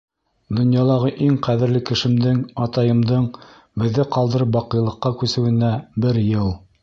Донъялағы иң ҡәҙерле кешемдең, атайымдың, беҙҙе ҡалдырып баҡыйлыҡҡа күсеүенә — бер йыл.